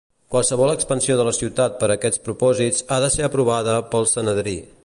Qualsevol expansió de la ciutat per aquests propòsits ha de ser aprovada pel Sanedrí.